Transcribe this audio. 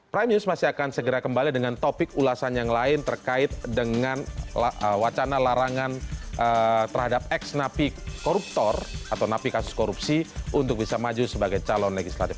prime news masih akan segera kembali dengan topik ulasan yang lain terkait dengan wacana larangan terhadap ex napi koruptor atau napi kasus korupsi untuk bisa maju sebagai calon legislatif